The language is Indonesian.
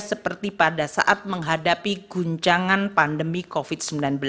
seperti pada saat menghadapi guncangan pandemi covid sembilan belas